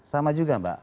sama juga mbak